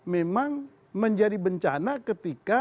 memang menjadi bencana ketika